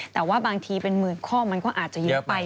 แต่ว่าบางทีเป็นหมื่นข้อมันก็อาจจะเยอะไป